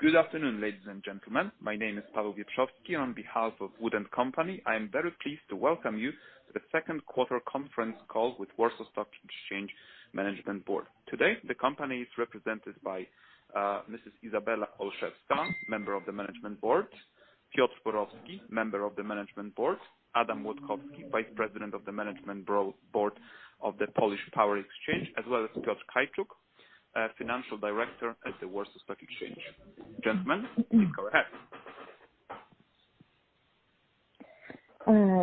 Good afternoon, ladies and gentlemen. My name is Paweł Wieczorski. On behalf of Wood & Company, I am very pleased to welcome you to the second quarter conference call with Warsaw Stock Exchange Management Board. Today, the company is represented by Mrs. Izabela Olszewska, Member of the Management Board, Piotr Borowski, Member of the Management Board, Adam Młodkowski, Vice President of the Management Board of the Polish Power Exchange, as well as Piotr Borowski, Financial Director at the Warsaw Stock Exchange. Gentlemen, please go ahead.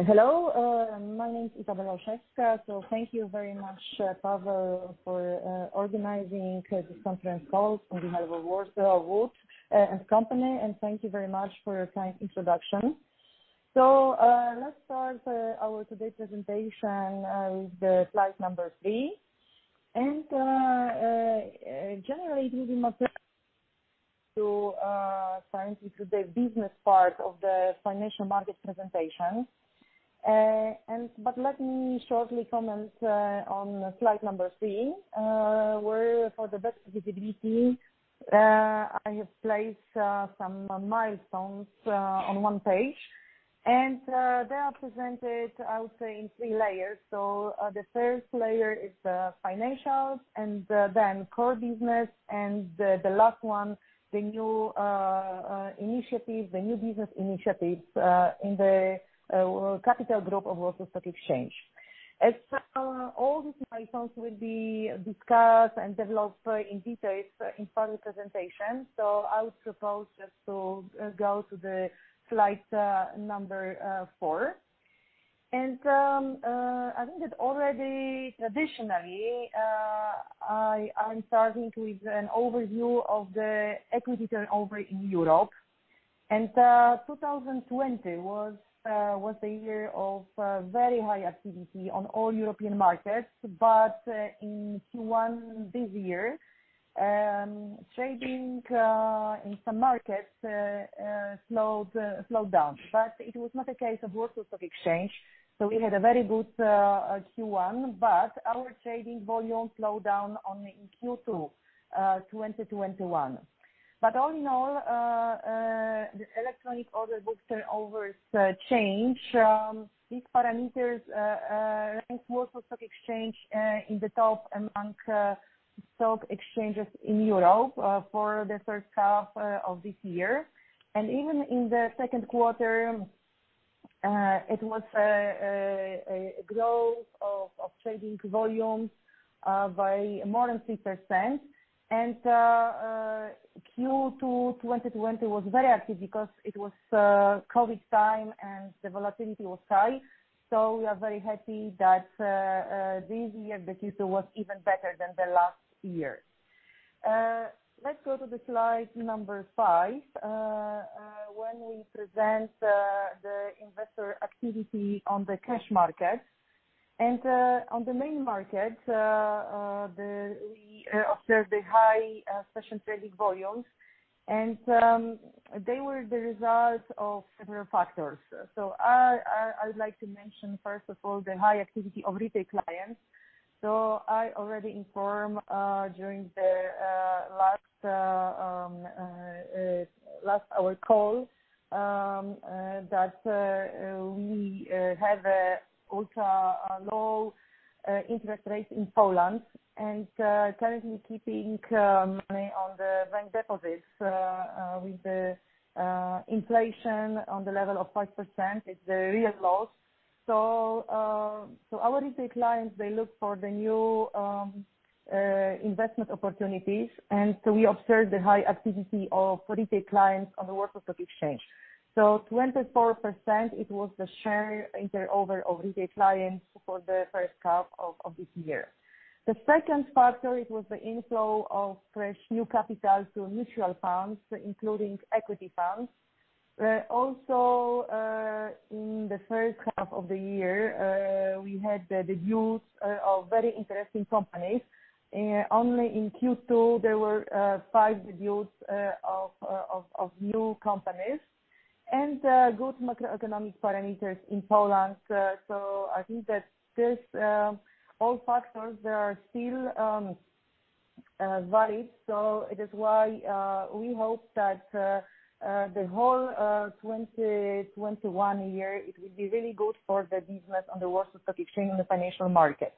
Hello. My name is Izabela Olszewska. Thank you very much, Paweł, for organizing this conference call on behalf of Wood & Company, and thank you very much for your kind introduction. Let's start today's presentation with slide number three. Generally, we'll be more to, thank you, the business part of the financial market presentation. Let me shortly comment on slide number three, where for the best visibility, I have placed some milestones on one page. They are presented, I would say, in three layers. The first layer is financials, then core business, the last one, the new business initiatives in the capital group of Warsaw Stock Exchange. As all these milestones will be discussed and developed in detail in Paweł's presentation. I would propose just to go to slide number four. I think that already traditionally, I am starting with an overview of the equity turnover in Europe. 2020 was a year of very high activity on all European markets. In Q1 this year, trading in some markets slowed down. It was not the case of Warsaw Stock Exchange, so we had a very good Q1, but our trading volume slowed down only in Q2 2021. All in all, the electronic order book turnovers change. These parameters rank Warsaw Stock Exchange in the top among stock exchanges in Europe for the first half of this year. Even in the second quarter, it was a growth of trading volume by more than 3%. Q2 2020 was very active because it was COVID-19 time and the volatility was high. We are very happy that this year the Q2 was even better than the last year. Let's go to slide number five, where we present the investor activity on the cash market. On the main market, we observed high session trading volumes, and they were the result of several factors. I would like to mention, first of all, the high activity of retail clients. I already informed during our last call that we have also a low interest rate in Poland, and currently keeping money on the bank deposits with the inflation on the level of 5% is a real loss. Our retail clients look for new investment opportunities, we observed the high activity of retail clients on the Warsaw Stock Exchange. 24%, it was the share in turnover of retail clients for the 1st half of this year. The second factor, it was the inflow of fresh new capital to mutual funds, including equity funds. In the first half of the year, we had the debuts of very interesting companies. Only in Q2, there were five debuts of new companies and good macroeconomic parameters in Poland. I think that all factors are still valid. It is why we hope that the whole 2021 year, it will be really good for the business on the Warsaw Stock Exchange and the financial market.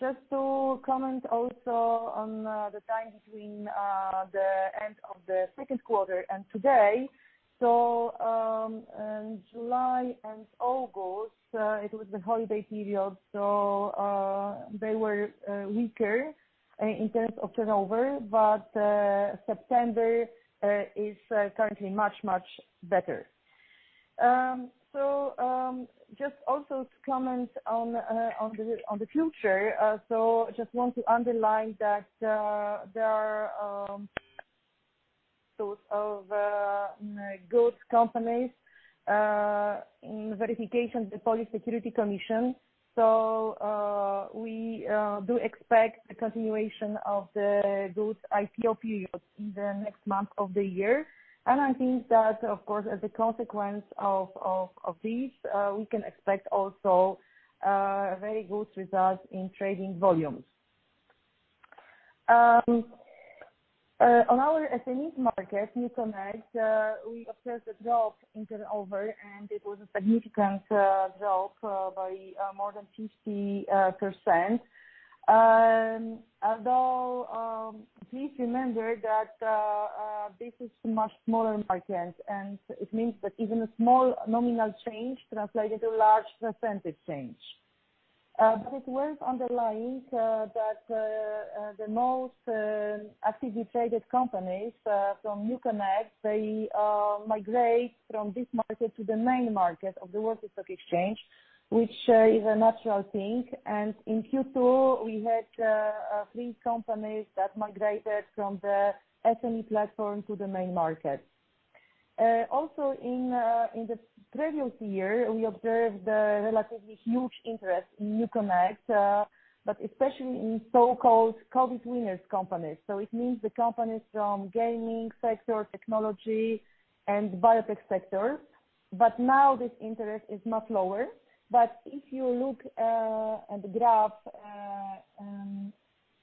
Just to comment also on the time between the end of the second quarter and today. July and August, it was the holiday period, so they were weaker in terms of turnover, but September is currently much better. Just also to comment on the future. Just want to underline that there are sorts of good companies in verification with the Polish Financial Supervision Authority. We do expect a continuation of the good IPO period in the next months of the year. I think that, of course, as a consequence of this, we can expect also very good results in trading volumes. On our SME market, NewConnect, we observed a drop in turnover and it was a significant drop by more than 50%. Please remember that this is a much smaller market, and it means that even a small nominal change translated to a large percentage change. It's worth underlying that the most actively traded companies from NewConnect, they migrate from this market to the main market of the Warsaw Stock Exchange, which is a natural thing. In Q2, we had three companies that migrated from the SME platform to the main market. In the previous year, we observed a relatively huge interest in NewConnect but especially in so-called COVID winners companies. It means the companies from gaming sector, technology, and biotech sector. Now this interest is much lower. If you look at the graph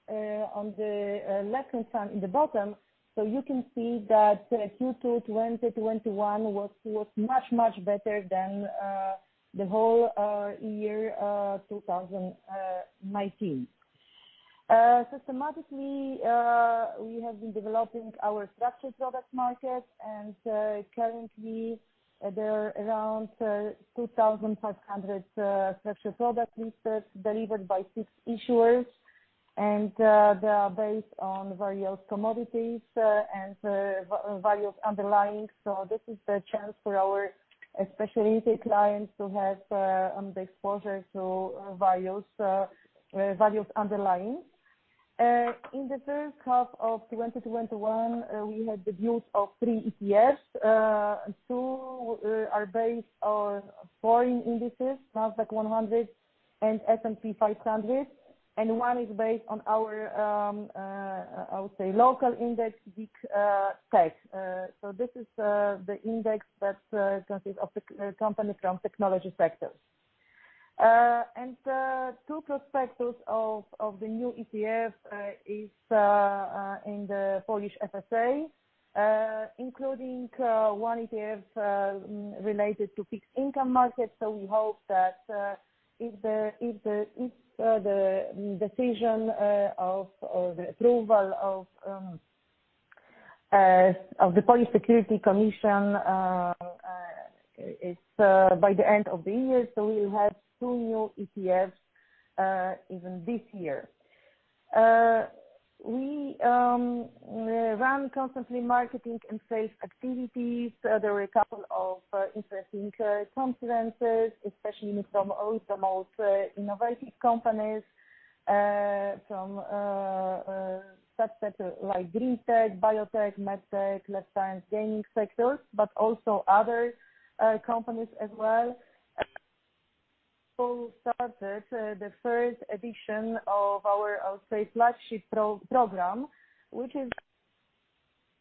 on the left-hand side in the bottom, you can see that Q2 2021 was much, much better than the whole year 2019. Systematically, we have been developing our structured products market, and currently there are around 2,500 structured product lists delivered by six issuers, and they are based on various commodities and various underlyings. This is the chance for our specialty clients to have the exposure to various underlyings. In the first half of 2021, we had debuts of three ETFs. Two are based on foreign indices, NASDAQ 100 and S&P 500, and one is based on our, I would say, local index, WIGtech. This is the index that consists of the companies from technology sectors. Two prospectuses of the new ETF is in the Polish FSA, including one ETF related to fixed income markets. We hope that if the decision of the approval of the Polish Financial Supervision Authority is by the end of the year, so we will have two new ETFs even this year. We run constantly marketing and sales activities. There were a couple of interesting conferences, especially with some of the most innovative companies from subsets like green tech, biotech, med tech, life science, gaming sectors, but also other companies as well. Started the first edition of our, I would say, flagship program, which is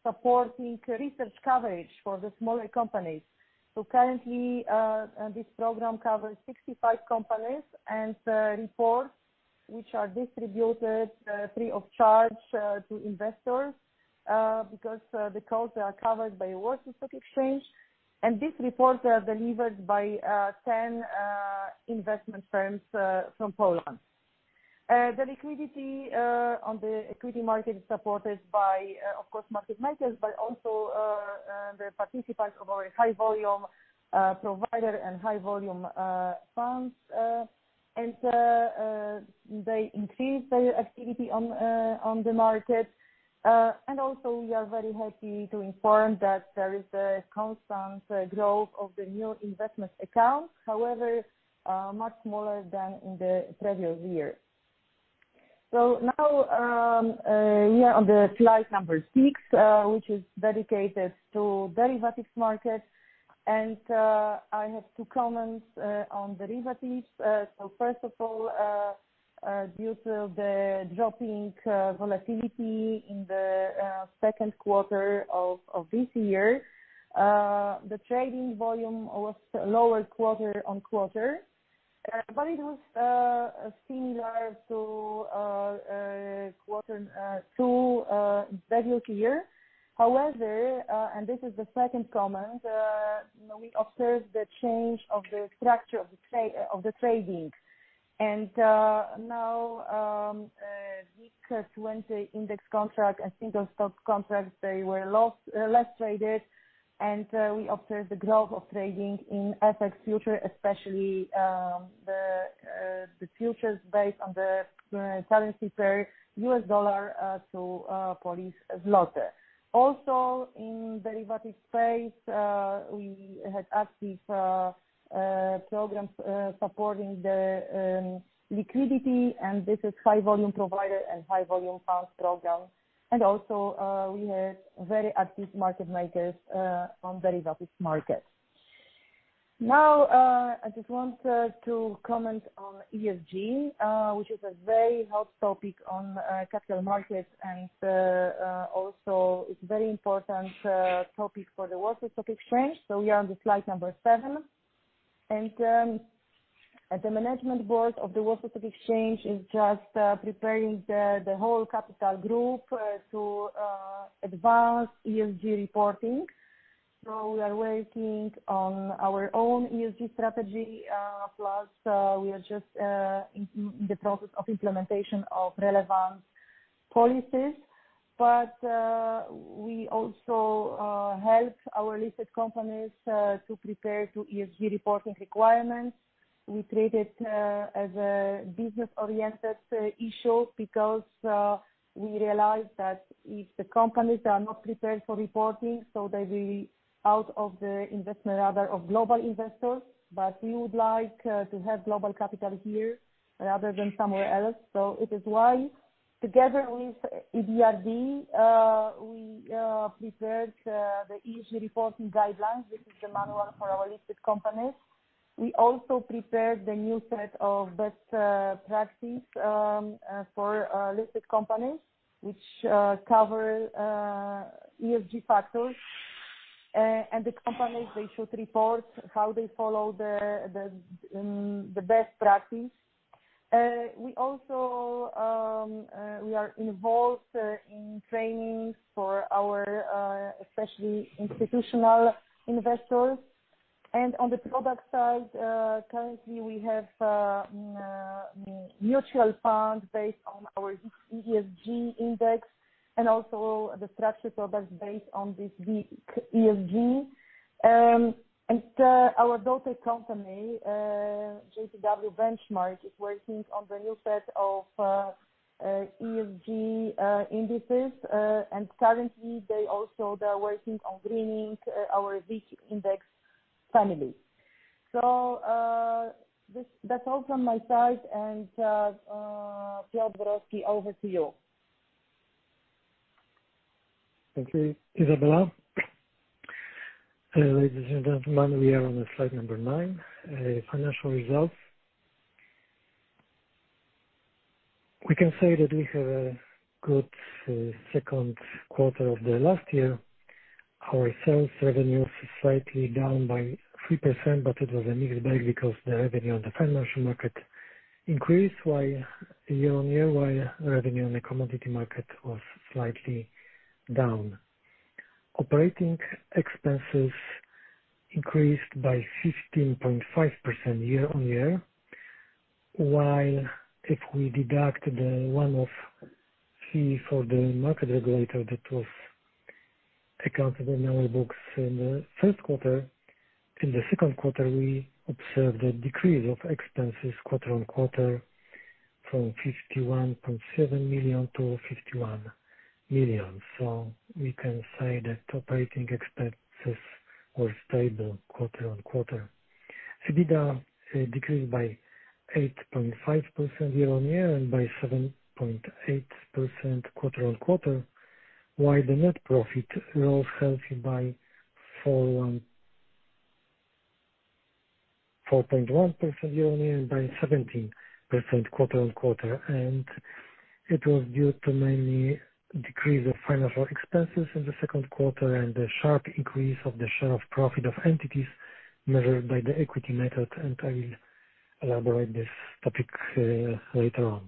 supporting research coverage for the smaller companies. Currently, this program covers 65 companies and reports which are distributed free of charge to investors because the costs are covered by Warsaw Stock Exchange, and these reports are delivered by 10 investment firms from Poland. The liquidity on the equity market is supported by, of course, market makers, but also the participants of our High Volume Provider and High Volume Fund. They increase their activity on the market. Also we are very happy to inform that there is a constant growth of the new investment accounts, however, much smaller than in the previous year. Now, we are on the slide number six, which is dedicated to derivatives market. I have two comments on derivatives. First of all, due to the dropping volatility in the second quarter of this year, the trading volume was lower quarter-on-quarter. It was similar to quarter two previous year. However, this is the second comment, we observed the change of the structure of the trading. Now, WIG20 index contract and single stock contracts, they were less traded, and we observed the growth of trading in FX future, especially the futures based on the currency pair US dollar to Polish zloty. Also, in derivatives space, we had active programs supporting the liquidity, and this is High Volume Provider and High Volume Fund program. Also, we had very active market makers on derivatives market. Now, I just want to comment on ESG, which is a very hot topic on capital markets and also it's very important topic for the Warsaw Stock Exchange. We are on the slide number seven. The management board of the Warsaw Stock Exchange is just preparing the whole capital group to advance ESG reporting. We are working on our own ESG strategy, plus we are just in the process of implementation of relevant policies. We also help our listed companies to prepare to ESG reporting requirements. We treat it as a business-oriented issue because we realize that if the companies are not prepared for reporting, so they'll be out of the investment radar of global investors. We would like to have global capital here rather than somewhere else. It is why, together with EBRD, we prepared the ESG reporting guidelines, which is the manual for our listed companies. We also prepared the new set of best practice for listed companies, which cover ESG factors. The companies, they should report how they follow the best practice. We are involved in training for our, especially institutional investors. On the product side, currently we have mutual funds based on our ESG index and also the structured products based on this WIG-ESG. Our daughter company, GPW Benchmark, is working on the new set of ESG indices. Currently, they also are working on bringing our WIG index family. That's all from my side. Piotr Borowski, over to you. Thank you, Izabela. Ladies and gentlemen, we are on slide number nine, financial results. We can say that we have a good second quarter of the last year. Our sales revenue is slightly down by 3%, but it was a mixed bag because the revenue on the financial market increased year-on-year, while revenue on the commodity market was slightly down. Operating expenses increased by 15.5% year-on-year. If we deduct the one-off fee for the market regulator that was accounted in our books in the first quarter, in the second quarter, we observed a decrease of expenses quarter-on-quarter from 51.7 million to 51 million. We can say that operating expenses were stable quarter-on-quarter. EBITDA decreased by 8.5% year-on-year and by 7.8% quarter-on-quarter, while the net profit rose healthy by 4.1% year-on-year and by 17% quarter-on-quarter. It was due to mainly decrease of financial expenses in the second quarter and the sharp increase of the share of profit of entities measured by the equity method, and I will elaborate this topic later on.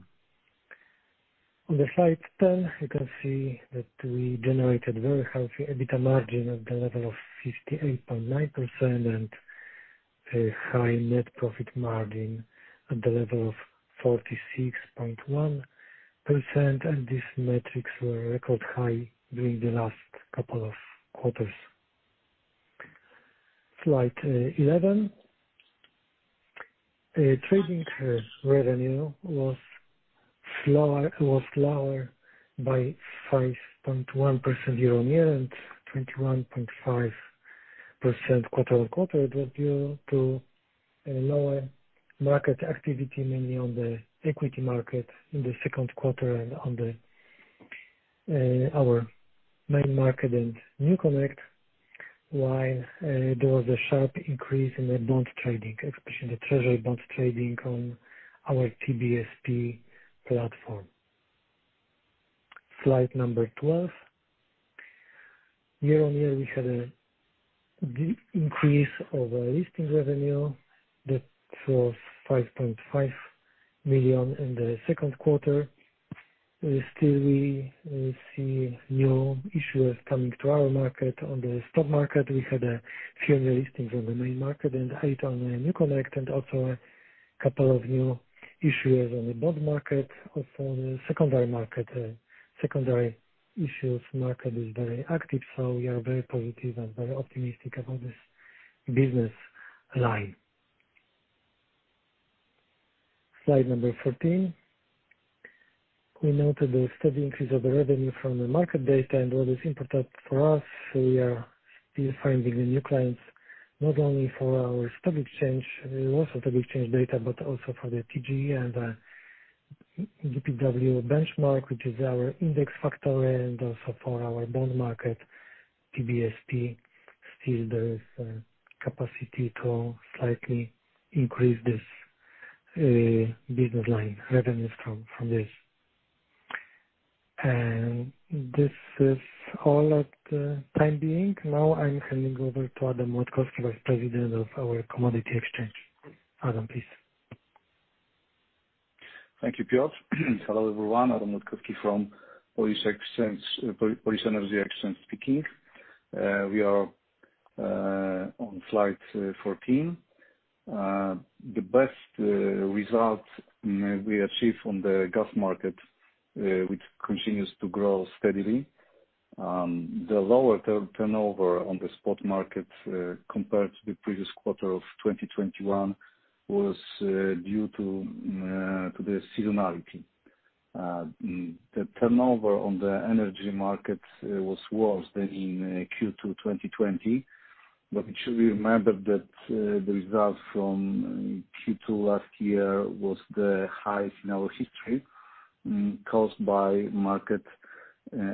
On Slide 10, you can see that we generated very healthy EBITDA margin at the level of 58.9% and a high net profit margin at the level of 46.1%, and these metrics were record high during the last couple of quarters. Slide 11. Trading revenue was lower by 5.1% year-on-year and 21.5% quarter-on-quarter. It was due to lower market activity, mainly on the equity market in the second quarter and on our main market and NewConnect, while there was a sharp increase in the bond trading, especially the treasury bond trading on our TBSP platform. Slide number 12. Year-on-year, we had an increase of our listings revenue that was 5.5 million in the second quarter. Still, we see new issuers coming to our market. On the stock market, we had a few new listings on the main market and eight on NewConnect, and also a couple of new issuers on the bond market. Also, on the secondary issues market is very active, so we are very positive and very optimistic about this business line. Slide number 14. We noted the steady increase of the revenue from the market data, and all is important for us. We are still finding the new clients, not only for our stock exchange, Warsaw Stock Exchange data, but also for the TGE and the GPW Benchmark, which is our index factory, and also for our bond market, TBSP. Still there is capacity to slightly increase this business line, revenues from this. This is all at the time being. Now I'm handing over to Adam Młodkowski, Vice-President of our Commodity Exchange. Adam, please. Thank you, Piotr. Hello, everyone. Adam Młodkowski from Towarowa Giełda Energii speaking. We are on slide 14. The best result we achieved on the gas market, which continues to grow steadily. The lower turnover on the spot market compared to the previous quarter of 2021 was due to the seasonality. The turnover on the energy market was worse than in Q2 2020. We should remember that the results from Q2 last year was the highest in our history, caused by market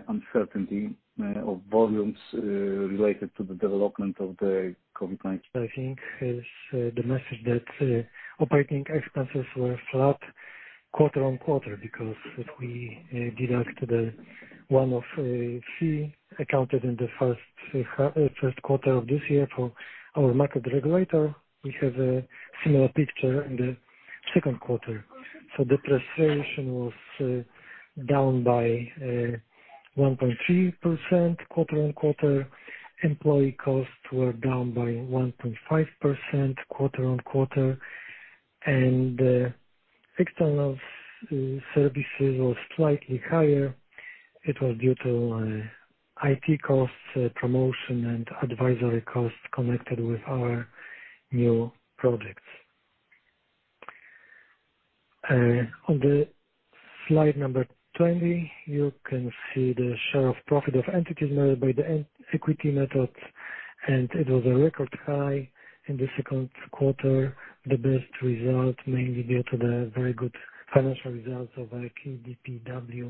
uncertainty of volumes related to the development of the COVID-19. I think is the message that operating expenses were flat quarter-on-quarter because if we deduct the one-off fee accounted in the first quarter of this year for our market regulator, we have a similar picture in the second quarter. Depreciation was down by 1.3% quarter-on-quarter. Employee costs were down by 1.5% quarter-on-quarter. External services was slightly higher. It was due to IT costs, promotion, and advisory costs connected with our new projects. On slide number 20, you can see the share of profit of entities managed by the equity method. It was a record high in the second quarter. The best result mainly due to the very good financial results of KDPW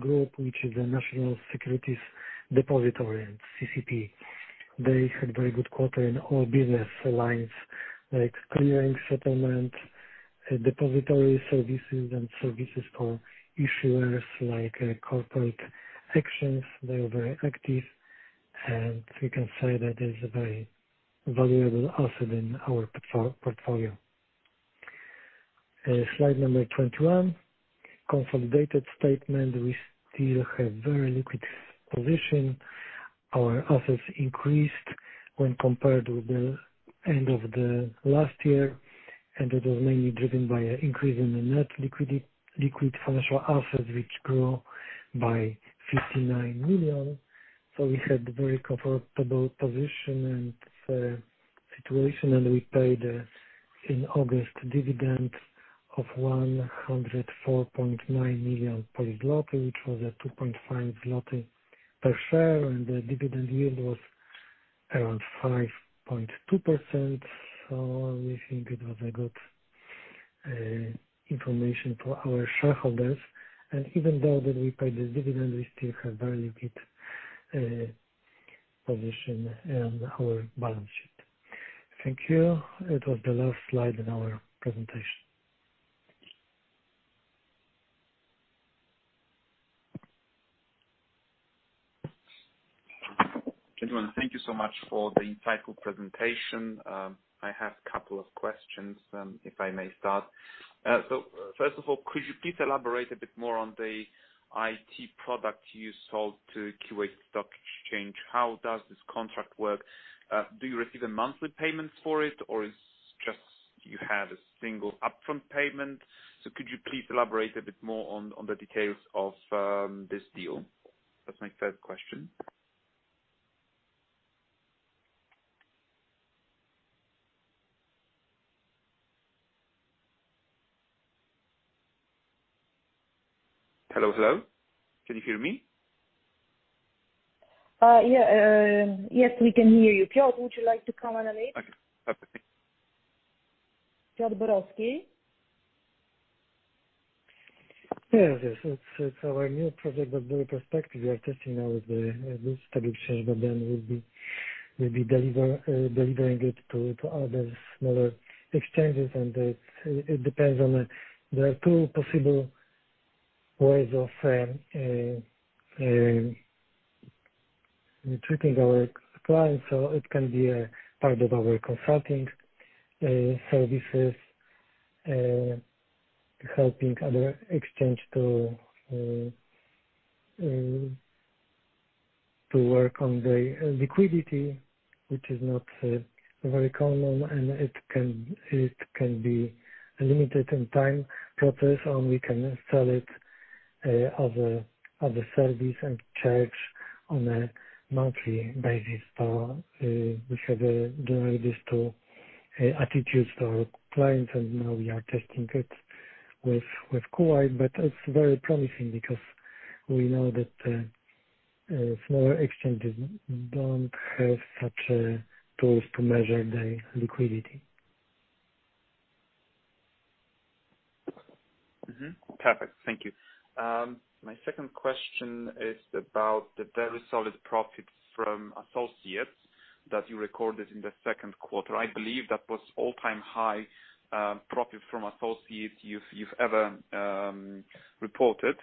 Group, which is a national securities depository and CCP. They had very good quarter in all business lines like clearing, settlement, depository services, and services for issuers, like corporate actions. They are very active, and we can say that is a very valuable asset in our portfolio. Slide number 21, consolidated statement. We still have very liquid position. Our assets increased when compared with the end of the last year, and it was mainly driven by an increase in the net liquid financial assets, which grew by 59 million. We had very comfortable position and situation, and we paid in August dividend of 104.9 million zloty which was 2.5 zloty per share, and the dividend yield was around 5.2%. We think it was a good information for our shareholders. Even though that we paid the dividend, we still have very liquid position in our balance sheet. Thank you. It was the last slide in our presentation. Gentlemen, thank you so much for the insightful presentation. I have a couple of questions, if I may start. First of all, could you please elaborate a bit more on the IT product you sold to Kuwait Stock Exchange? How does this contract work? Do you receive a monthly payment for it, or it's just you have a single upfront payment? Could you please elaborate a bit more on the details of this deal? That's my first question. Hello, hello. Can you hear me? Yes, we can hear you. Piotr, would you like to comment on it? Okay, perfect. Thank you. Piotr Borowski? Yes. It's our new project, but very prospective. We are testing now with the Kuwait Stock Exchange, but then we'll be delivering it to other smaller exchanges. There are two possible ways of treating our clients, so it can be a part of our consulting services, helping other exchange to work on the liquidity, which is not very common, and it can be a limited in time process, or we can sell it as a service and charge on a monthly basis, or we can donate this to entities or clients. Now we are testing it with Kuwait, but it's very promising because we know that smaller exchanges don't have such tools to measure the liquidity. Perfect. Thank you. My second question is about the very solid profit from associates that you recorded in the second quarter. I believe that was all-time high profit from associates you've ever reported.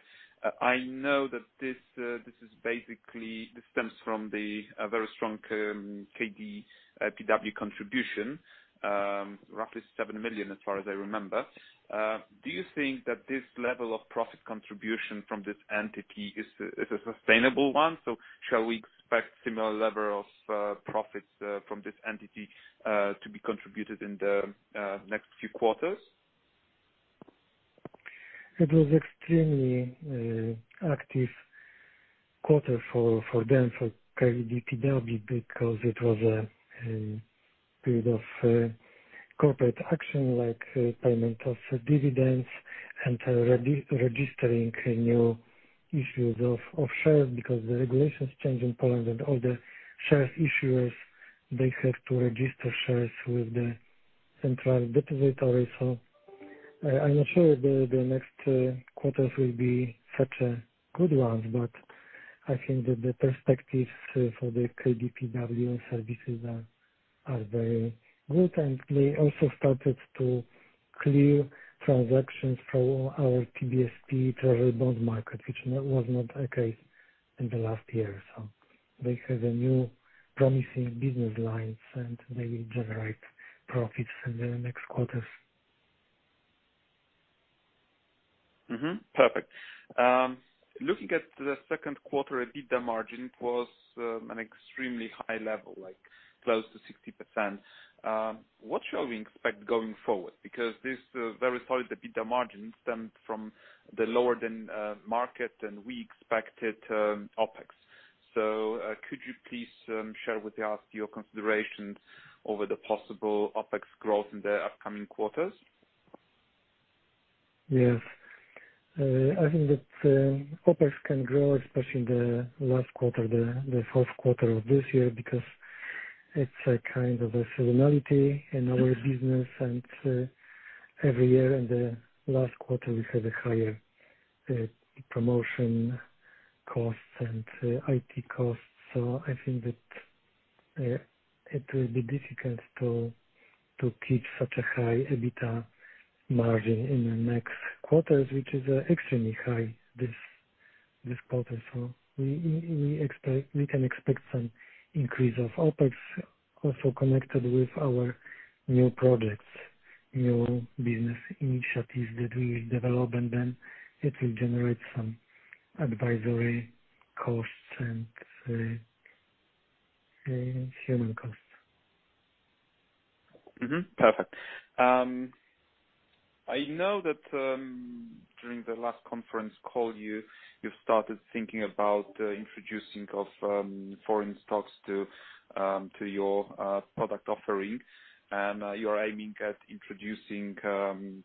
I know that this stems from the very strong KDPW contribution, roughly 7 million, as far as I remember. Do you think that this level of profit contribution from this entity is a sustainable one? Shall we expect similar level of profits from this entity to be contributed in the next few quarters? It was extremely active quarter for them, for KDPW, because it was a period of corporate action, like payment of dividends and re-registering new issues of shares because the regulations change in Poland and all the share issuers, they have to register shares with the central depository. I'm not sure the next quarters will be such good ones, but I think that the perspectives for the KDPW services are very good. They also started to clear transactions for our TBSP treasury bond market, which was not okay in the last year. They have a new promising business line, and they will generate profits in the next quarters. Mm-hmm. Perfect. Looking at the second quarter, EBITDA margin was an extremely high level, close to 60%. What shall we expect going forward? This very solid EBITDA margin stemmed from the lower than market, and we expected OpEx. Could you please share with us your considerations over the possible OpEx growth in the upcoming quarters? Yes. I think that OpEx can grow, especially the last quarter, the fourth quarter of this year, because it's a kind of a seasonality in our business. Every year in the last quarter, we have higher promotion costs and IT costs. I think that it will be difficult to keep such a high EBITDA margin in the next quarters, which is extremely high this quarter. We can expect some increase of OpEx, also connected with our new projects, new business initiatives that we will develop, and then it will generate some advisory costs and human costs. Mm-hmm. Perfect. I know that during the last conference call, you started thinking about introducing foreign stocks to your product offering, and you are aiming at introducing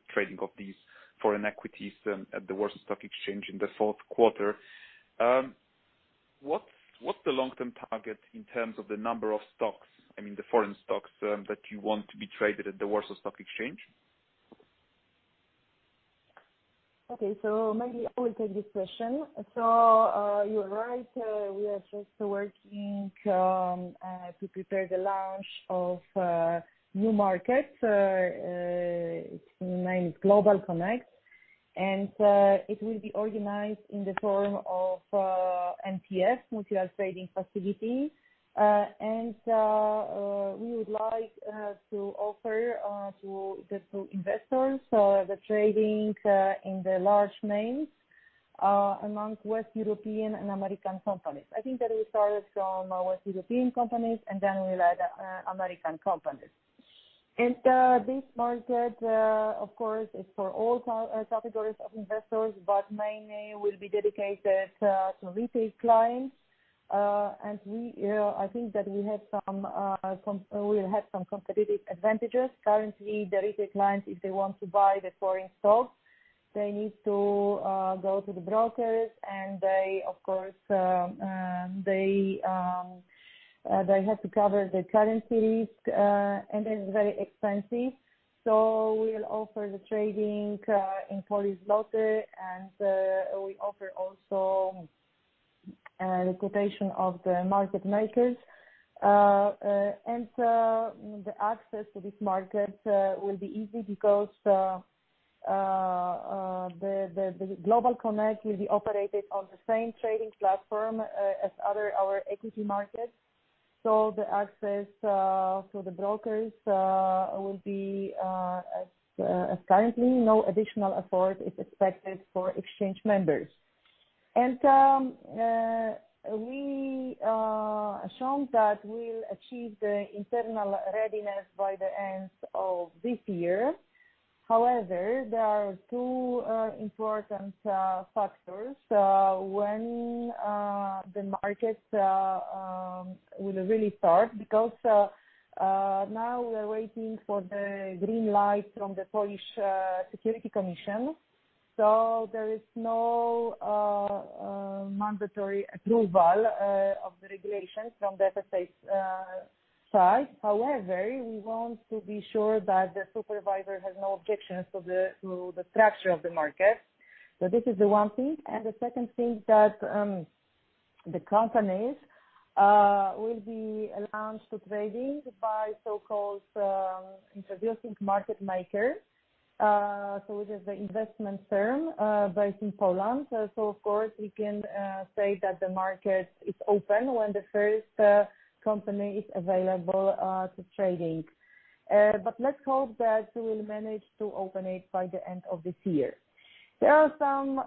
trading of these foreign equities at the Warsaw Stock Exchange in the fourth quarter. What's the long-term target in terms of the number of stocks, I mean the foreign stocks, that you want to be traded at the Warsaw Stock Exchange? Okay. Maybe I will take this question. You're right. We are just working to prepare the launch of new markets. It's named Global Connect. It will be organized in the form of MTF, Multilateral Trading Facility. We would like to offer to investors the trading in the large names amongst West European and American companies. I think that we will start from our European companies, and then we'll add American companies. This market, of course, is for all categories of investors, but mainly will be dedicated to retail clients. I think that we'll have some competitive advantages. Currently, the retail clients, if they want to buy the foreign stocks, they need to go to the brokers. They, of course, have to cover the currency risk, and it's very expensive. We'll offer the trading in Polish złoty, and we offer also a quotation of the market makers. The access to this market will be easy because the Global Connect will be operated on the same trading platform as our other equity markets. The access to the brokers will be as currently. No additional effort is expected for exchange members. We assume that we'll achieve the internal readiness by the end of this year. However, there are two important factors when the market will really start, because now we're waiting for the green light from the Polish Financial Supervision Authority. There is no mandatory approval of the regulation from the FSA side. We want to be sure that the supervisor has no objections to the structure of the market. This is the one thing, the second thing that the companies will be allowed to trading by so-called Introducing Market Maker. It is the investment term based in Poland. Of course, we can say that the market is open when the first company is available to trading. Let's hope that we will manage to open it by the end of this year. There are some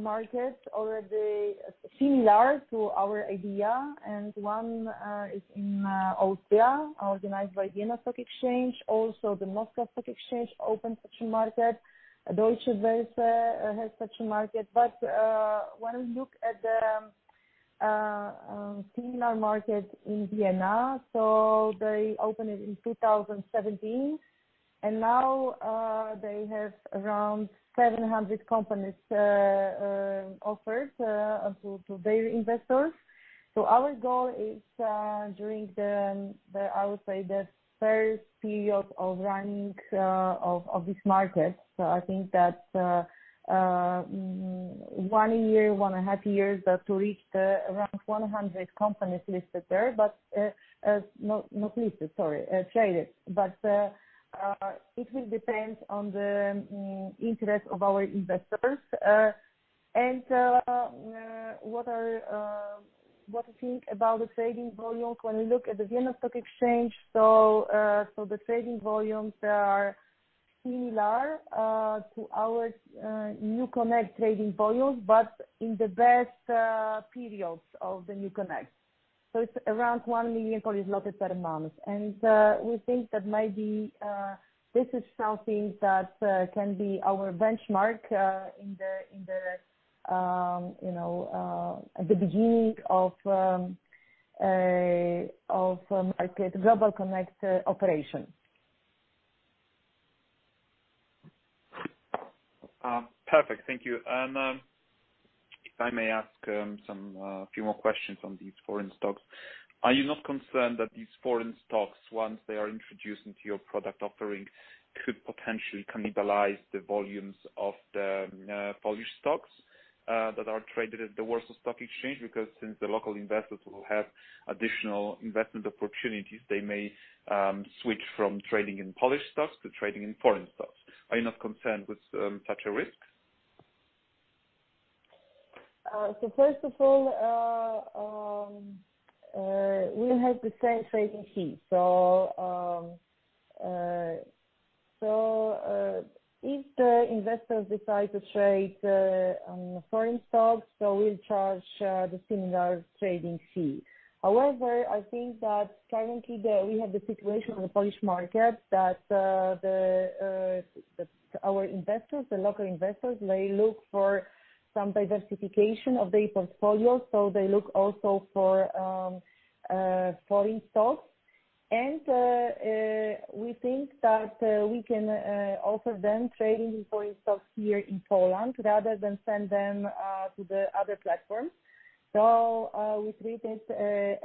markets already similar to our idea, one is in Austria, organized by Vienna Stock Exchange, also the Moscow Exchange opened such a market, Deutsche Börse has such a market. When we look at the similar market in Vienna, they opened it in 2017, and now they have around 700 companies offered to their investors. Our goal is during the, I would say, the first period of running of this market. I think that one year, one and a half years, that to reach around 100 companies listed there, but not listed, sorry, traded. It will depend on the interest of our investors. What to think about the trading volumes when we look at the Wiener Börse, so the trading volumes are similar to our NewConnect trading volumes, but in the best periods of the NewConnect. It's around 1 million per month. We think that maybe this is something that can be our benchmark at the beginning of Global Connect operations. Perfect. Thank you. If I may ask a few more questions on these foreign stocks. Are you not concerned that these foreign stocks, once they are introduced into your product offering, could potentially cannibalize the volumes of the Polish stocks that are traded at the Warsaw Stock Exchange? Because since the local investors will have additional investment opportunities, they may switch from trading in Polish stocks to trading in foreign stocks. Are you not concerned with such a risk? First of all, we have the same trading fee. If the investors decide to trade foreign stocks, we'll charge the similar trading fee. However, I think that currently, we have the situation on the Polish market that our investors, the local investors, may look for some diversification of their portfolio, so they look also for foreign stocks. We think that we can offer them trading in foreign stocks here in Poland rather than send them to the other platforms. We treat it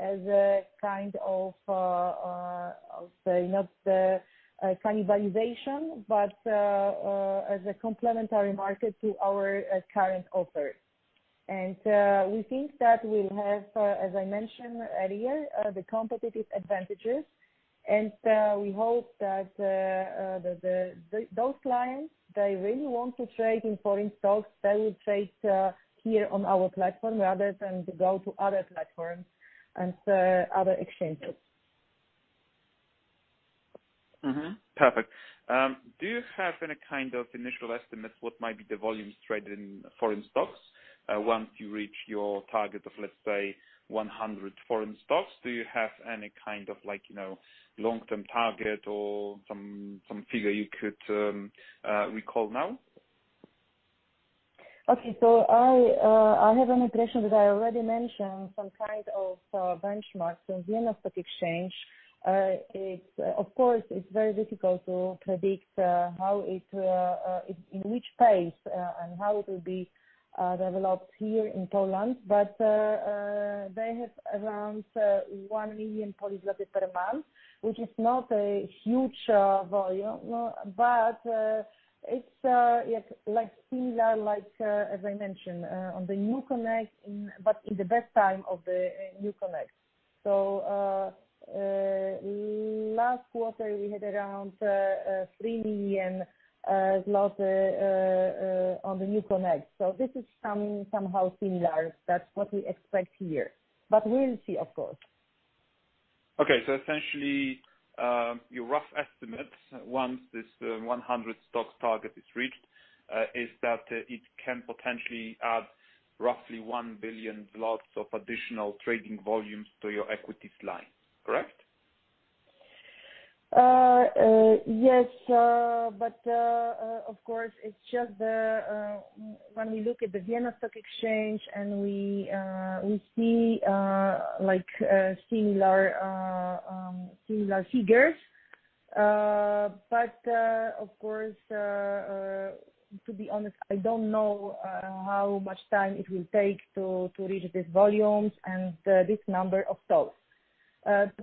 as a kind of, not cannibalization, but as a complementary market to our current offer. We think that we'll have, as I mentioned earlier, the competitive advantages, and we hope that those clients that really want to trade in foreign stocks, they will trade here on our platform rather than go to other platforms and other exchanges. Perfect. Do you have any kind of initial estimate what might be the volumes traded in foreign stocks once you reach your target of, let's say, 100 foreign stocks? Do you have any kind of long-term target or some figure you could recall now? I have an impression that I already mentioned some kind of benchmark from Wiener Börse. Of course, it's very difficult to predict in which phase and how it will be developed here in Poland. They have around 1 million per month, which is not a huge volume, but it's similar like, as I mentioned, on the NewConnect, but in the best time of the NewConnect. Last quarter, we had around 3 million zlotys on the NewConnect. This is somehow similar. That's what we expect here. We'll see, of course. Okay. Essentially, your rough estimate, once this 100 stocks target is reached, is that it can potentially add roughly 1 billion zlotys of additional trading volumes to your equities line, correct? Yes. Of course, it's just when we look at the Vienna Stock Exchange and we see similar figures. Of course, to be honest, I don't know how much time it will take to reach these volumes and this number of stocks. But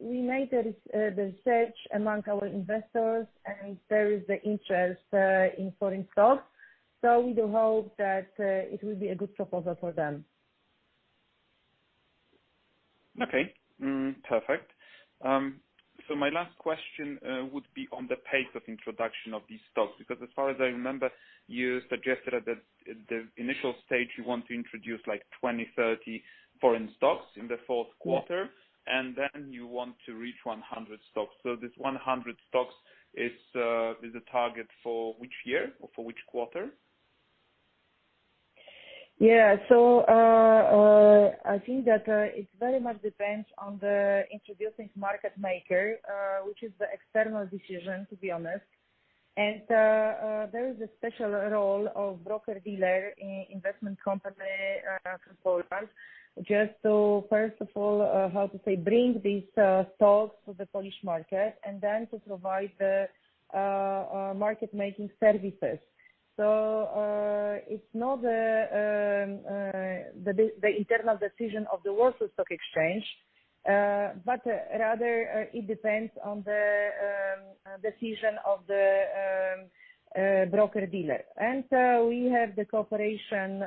we made the research among our investors, and there is the interest in foreign stocks. We do hope that it will be a good proposal for them. Okay. Perfect. My last question would be on the pace of introduction of these stocks, because as far as I remember, you suggested at the initial stage you want to introduce 20, 30 foreign stocks in the fourth quarter, and then you want to reach 100 stocks. This 100 stocks is a target for which year or for which quarter? Yeah. I think that it very much depends on the Introducing Market Maker, which is the external decision, to be honest. There is a special role of broker-dealer investment company from Poland. Just to, first of all, how to say, bring these stocks to the Polish market and then to provide the market-making services. It's not the internal decision of the Warsaw Stock Exchange, but rather, it depends on the decision of the broker-dealer. We have the cooperation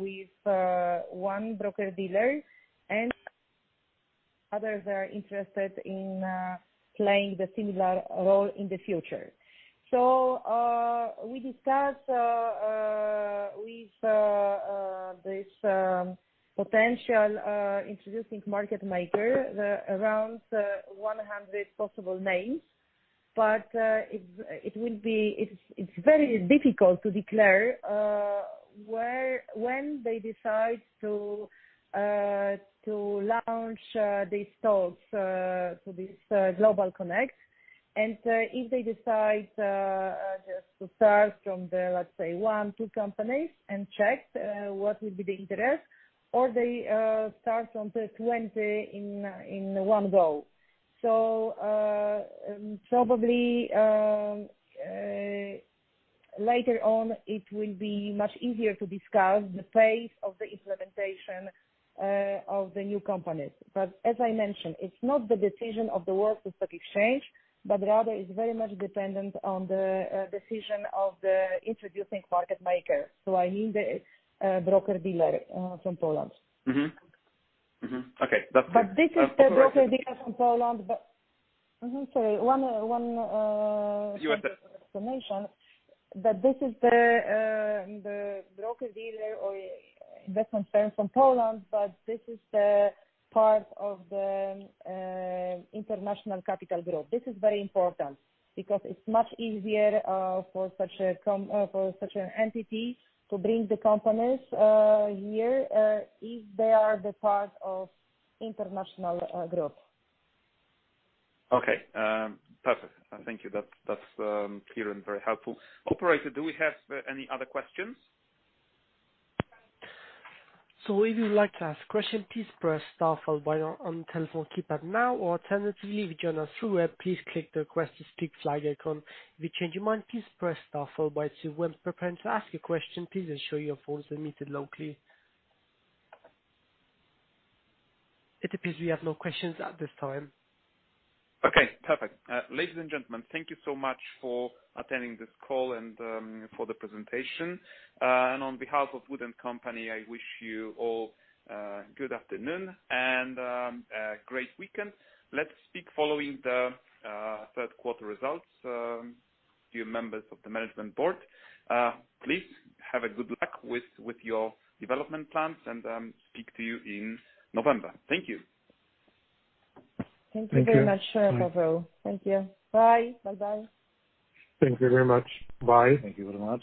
with one broker-dealer, and others are interested in playing the similar role in the future. We discuss with this potential Introducing Market Maker around 100 possible names. It's very difficult to declare when they decide to launch these stocks to this Global Connect. If they decide just to start from the, let's say one, two companies and check what will be the interest, or they start from 20 in one go. Probably, later on, it will be much easier to discuss the pace of the implementation of the new companies. As I mentioned, it's not the decision of the Warsaw Stock Exchange, but rather is very much dependent on the decision of the Introducing Market Maker. I mean the broker-dealer from Poland. Okay. This is the broker-dealer from Poland. Mm-hmm, sorry. You went ahead. Explanation. That this is the broker-dealer or investment firm from Poland, but this is the part of the international capital group. This is very important because it's much easier for such an entity to bring the companies here if they are the part of international group. Okay. Perfect. Thank you. That's clear and very helpful. Operator, do we have any other questions? So if you would like to ask question, please press star followed by your on telephone keypad now, or alternatively, if you join us through Web, please click the request to speak flag icon. If you change your mind, please press star followed by two when preparing to ask a question, please ensure your phone is muted locally. It appears we have no questions at this time. Okay, perfect. Ladies and gentlemen, thank you so much for attending this call and for the presentation. On behalf of Wood & Company, I wish you all a good afternoon and a great weekend. Let's speak following the third quarter results, dear Members of the Management Board. Please have a good luck with your development plans, and speak to you in November. Thank you. Thank you very much, Paweł. Thank you. Bye. Bye. Thank you very much. Bye. Thank you very much.